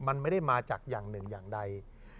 มันไม่ได้มาจากอย่างหนึ่งอย่างใด